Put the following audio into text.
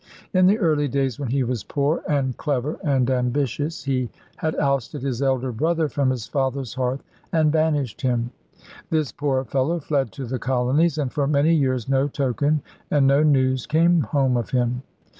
In the early days when he was poor, and clever, and ambitious, he had ousted his elder brother from his father's hearth, and banished him. This poor fellow fled to the colonies; and for many years no token and no news came home of him.